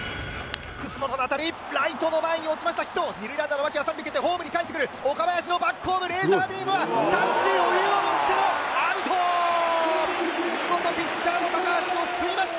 楠本の当たりライトの前に落ちましたヒット二塁ランナーの牧は三塁蹴ってホームに帰ってくる岡林のバックホームレーザービームはタッチ余裕をもってのアウト見事ピッチャーの橋を救いました